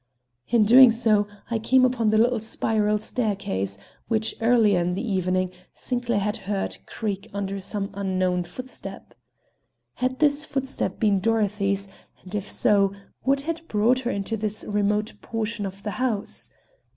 In doing so I came upon the little spiral staircase which, earlier in the evening, Sinclair had heard creak under some unknown footstep. Had this footstep been Dorothy's, and if so, what had brought her into this remote portion of the house?